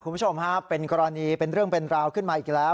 คุณผู้ชมฮะเป็นกรณีเป็นเรื่องเป็นราวขึ้นมาอีกแล้ว